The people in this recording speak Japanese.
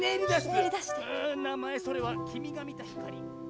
うぅなまえそれはきみがみたひかり。